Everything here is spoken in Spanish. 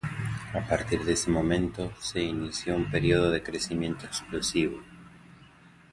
A partir de ese momento se inició un periodo de crecimiento explosivo.